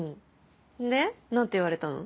で何て言われたの？